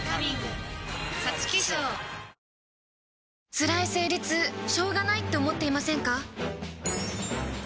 つらい生理痛しょうがないって思っていませんか？